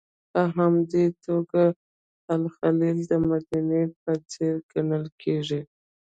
په همدې توګه الخلیل د مدینې په څېر ګڼل کېږي.